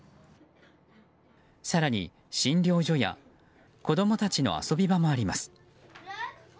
更に診療所や子供たちの遊び場もあります。